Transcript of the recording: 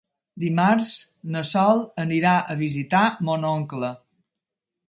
Dimarts na Sol anirà a visitar mon oncle.